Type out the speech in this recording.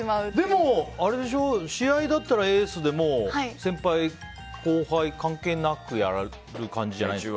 でも、試合だったらエースで先輩後輩関係なくやられる感じじゃないんですか。